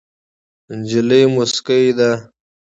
نجلۍ موسکۍ ده.